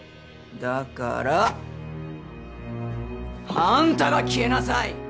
だから。あんたが消えなさい。